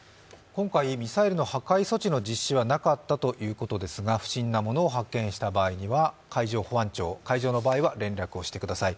今回ミサイルの破壊措置の実施はなかったということですが不審なものを発見した場合には海上保安庁、海上の場合は連絡をしてください。